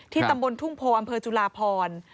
ที่ตำบลทุ่งโพอจุลาพร